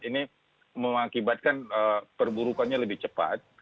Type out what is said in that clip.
ini mengakibatkan perburukannya lebih cepat